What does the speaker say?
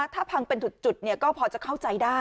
ถ้าพังเป็นจุดก็พอจะเข้าใจได้